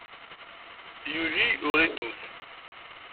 Yuli uridut.